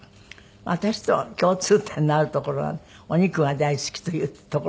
私と共通点のあるところはお肉が大好きというところなんですって？